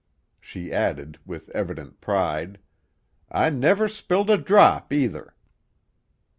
She added, with evident pride. "I never spilled a drop, either!"